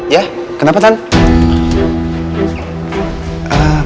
ya kenapa tante